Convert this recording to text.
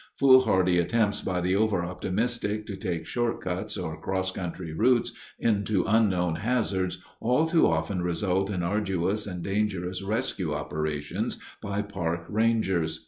Foolhardy attempts by the overoptimistic to take short cuts or cross country routes into unknown hazards all too often result in arduous and dangerous rescue operations by park rangers.